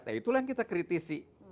nah itulah yang kita kritisi